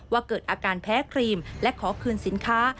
เกิดอาการแพ้ครีมและขอคืนสินค้า